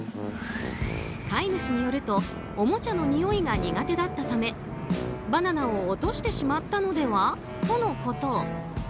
飼い主によると、おもちゃのにおいが苦手だったためバナナを落としてしまったのではとのこと。